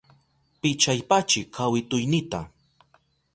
Pichapaychi kawituynita.